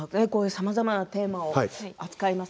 さまざまなテーマを扱います